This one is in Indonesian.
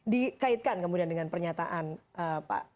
dikaitkan kemudian dengan pernyataan pak